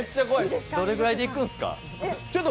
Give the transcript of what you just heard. どれくらいでいくんですか？